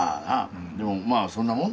でもまあそんなもんだよ。